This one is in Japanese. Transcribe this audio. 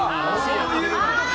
そういうことか！